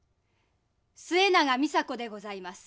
末永美佐子でございます。